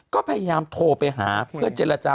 ก็พยายามโทรไปหาเพื่อเจรจา